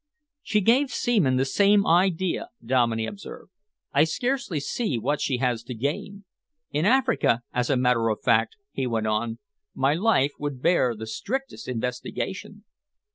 "She gave Seaman the same idea," Dominey observed. "I scarcely see what she has to gain. In Africa, as a matter of fact," he went on, "my life would bear the strictest investigation."